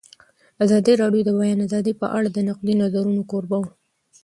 ازادي راډیو د د بیان آزادي په اړه د نقدي نظرونو کوربه وه.